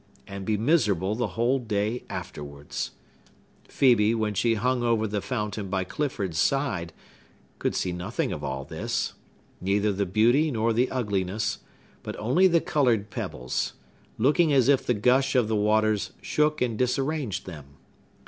and be miserable the whole day afterwards. Phœbe, when she hung over the fountain by Clifford's side, could see nothing of all this,—neither the beauty nor the ugliness,—but only the colored pebbles, looking as if the gush of the waters shook and disarranged them.